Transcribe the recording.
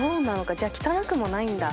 じゃあ汚くもないんだ。